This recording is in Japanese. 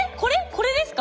これですか？